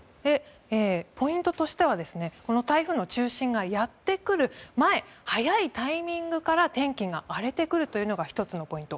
ポイントとしてはこの台風の中心がやってくる前早いタイミングから天気が荒れてくるというのが１つのポイント。